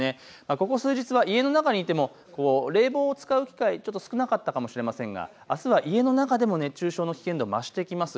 ここ数日は家の中にいても冷房を使う機会、少なかったかもしれませんが、あすは家の中でも熱中症の危険度、増してきます。